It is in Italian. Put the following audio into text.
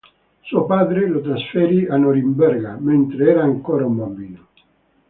Suo padre lo trasferì a Norimberga mentre era ancora un bambino.